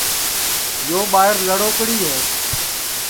یو ٻائیر لڑوکڑی ہے